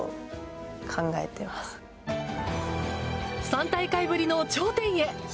３大会ぶりの頂点へ。